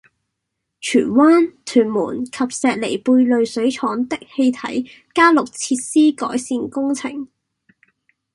荃灣、屯門及石梨貝濾水廠的氣體加氯設施改善工程